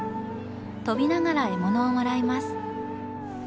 飛びながら獲物をもらいます。